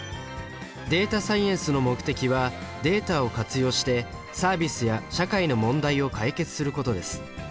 データサイエンスの目的はデータを活用してサービスや社会の問題を解決することです。